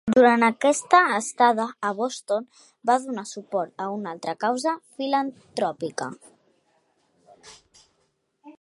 Durant aquesta estada a Boston va donar suport una altra causa filantròpica.